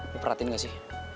lo perhatiin ga sih